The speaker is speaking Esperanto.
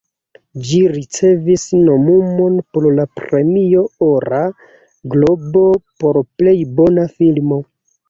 Ĝi ricevis nomumon por la Premio Ora Globo por Plej bona Filmo.